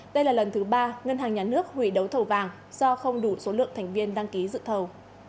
đây là lần thứ ba ngân hàng nhà nước hủy đấu thầu vàng do không đủ số lượng thành viên đăng ký dự thầu